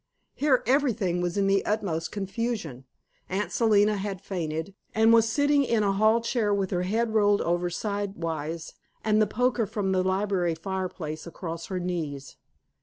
Here everything was in the utmost confusion. Aunt Selina had fainted, and was sitting in a hall chair with her head rolled over sidewise and the poker from the library fireplace across her knees.